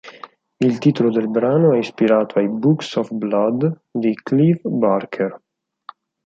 Il titolo del brano è ispirato ai "Books of Blood" di Clive Barker.